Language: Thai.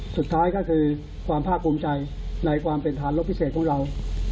สุดท้ายก็คือความภาคภูมิใจในความเป็นฐานรบพิเศษของเรา